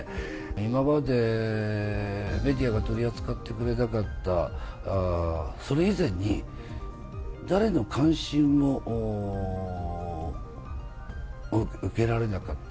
今までメディアが取り扱ってくれなかったそれ以前に、誰の関心も受けられなかった。